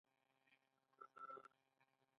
د سپورت کلبونه سوداګري ده؟